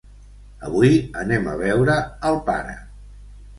Avui anem a veure al pare.